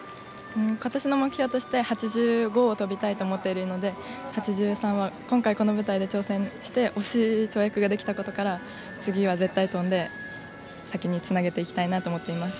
ことしの目標として８５を跳びたいと思っているので８３は、今回この舞台で挑戦して惜しい跳躍ができたことから次は絶対に跳んで先につなげていきたいなと思っています。